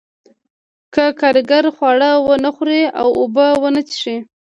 که کارګر خواړه ونه خوري او اوبه ونه څښي